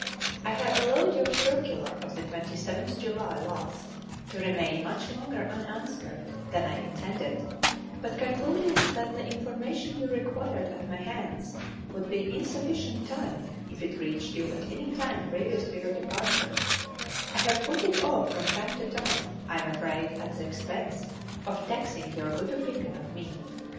I have allowed jour circular of the 27th July last to remain much longer unanswered than I intended, but concluding that the information you required at my hands would be in sufficient time if it reached you at any time previous to your departure, I have put it off from time to time, I am afraid at the expense of taxing your good opinion of me.